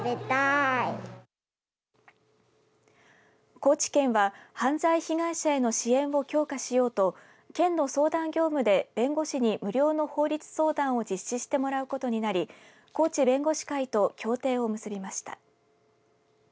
高知県は犯罪被害者への支援を強化しようと県の相談業務で弁護士に無料の法律相談を実施してもらうことになり高知弁護士会と協定を結びました。